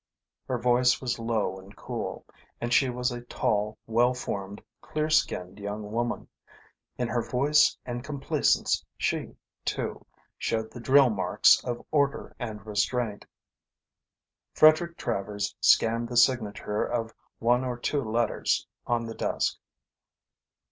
Her voice was low and cool, and she was a tall, well formed, clear skinned young woman. In her voice and complacence she, too, showed the drill marks of order and restraint. Frederick Travers scanned the signature of one of two letters on the desk.